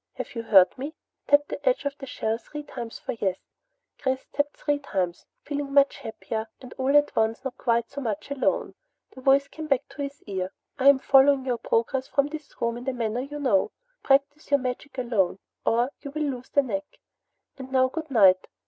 Have you heard me? Tap the edge of the shell three times for 'Yes.'" Chris tapped three times, feeling much happier and all at once not quite so much alone. The voice came back to his ear. "I am following your progress from this room in the manner you know. Practise your magic alone, or you will lose the knack. And now good night.